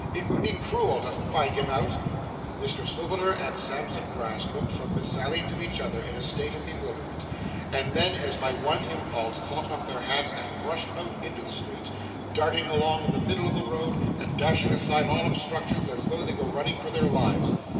It would be cruel to find him out!' Mr Swiveller and Sampson Brass looked from Miss Sally to each other, in a state of bewilderment, and then, as by one impulse, caught up their hats and rushed out into the street darting along in the middle of the road, and dashing aside all obstructions, as though they were running for their lives.